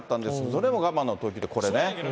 それも我慢の投球で、これね。